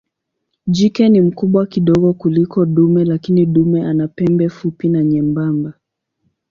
Jike ni mkubwa kidogo kuliko dume lakini dume ana pembe fupi na nyembamba.